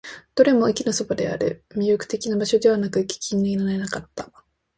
どれも駅のそばにある。魅力的な場所ではなく、行く気にはなれなかった。